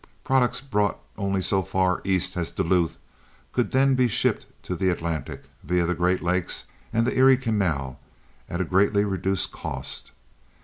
Products brought only so far east as Duluth could then be shipped to the Atlantic, via the Great Lakes and the Erie Canal, at a greatly reduced cost.